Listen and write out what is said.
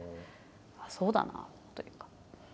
あっ、そうだなというか。